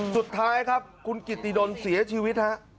สุดท้ายครับคุณกิตติดลเสียชีวิตฮะ